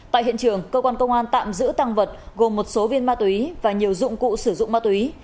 tại hiện trường cơ quan công an tạm giữ tăng vật gồm một số viên ma túy và nhiều dụng cụ sử dụng ma túy